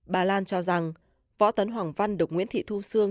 bà lan cho rằng võ tấn hoàng văn được nguyễn thị thu sương